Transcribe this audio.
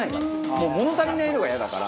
もう物足りないのがイヤだから。